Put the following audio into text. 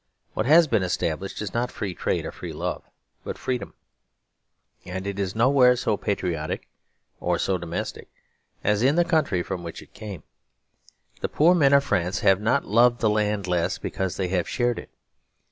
What has been established is not Free Trade or Free Love, but Freedom; and it is nowhere so patriotic or so domestic as in the country from which it came. The poor men of France have not loved the land less because they have shared it.